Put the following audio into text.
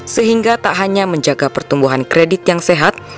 sehingga tak hanya menjaga pertumbuhan kredit yang sehat